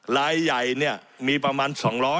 รายใหญ่เนี่ยมีประมาณ๒๐๐